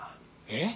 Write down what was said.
えっ！？